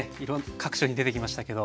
各所に出てきましたけど。